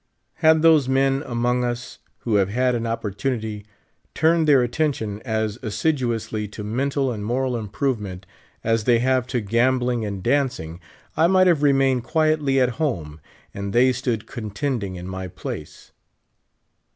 Had those men among us, who have had an opportunity, turned their attention as assiduously to mental and moral improvement as they have to gambling and dancing, I might have remained quietly at home and they stood contending in my place.